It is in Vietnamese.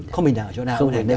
không bình đẳng ở chỗ nào